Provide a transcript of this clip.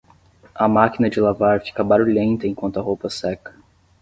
A máquina de lavar fica barulhenta enquanto a roupa seca.